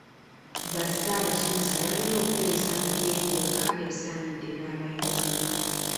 Bassaabasomesa balina okweyisa mu ngeri yokka esaanidde n'abayizi.